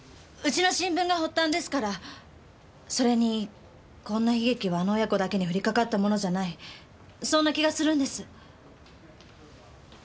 それにこんな悲劇はあの親子だけに降りかかったものじゃないそんな気がするんです。